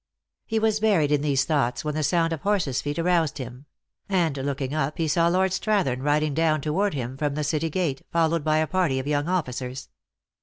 He was buried in these thoughts when the sound O of horses feet aroused him; and looking up he saw Lord Strathern riding down toward him from the city gate, folio wad by a party of young officers.